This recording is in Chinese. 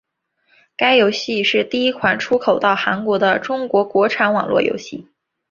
该游戏是第一款出口到韩国的中国国产网络游戏。